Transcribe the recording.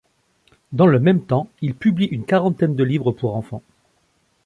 Dans le même temps, il publie une quarantaine de livres pour enfants.